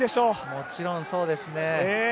もちろんそうですね。